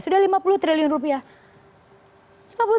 sudah lima puluh triliun rupiah